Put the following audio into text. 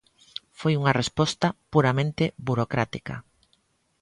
Foi unha resposta puramente burocrática.